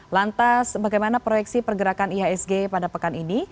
lantas bagaimana proyeksi pergerakan ihsg pada pekan ini